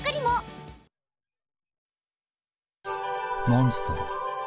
モンストロ。